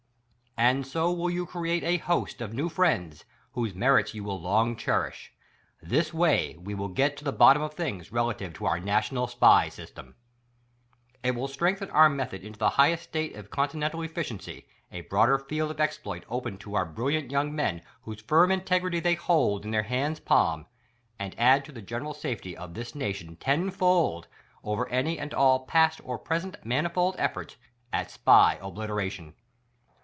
And so will you create a host of new friends, whose merits you will long cherish. This way we get to the bottom of things relative to our national SPY system. It will strengthen our method into the highest slate of continental efficiency, a broader field of exploit open to our brilliant young men whose firm integrity they hold in their hand's palm, and add to the general safety of this nation ten fold over any and all past or present manifold efforts at SPY obliteration.